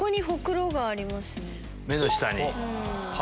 目の下に。